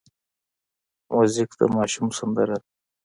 موزیک د ماشوم سندره ده.